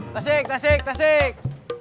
tasik tasik tasik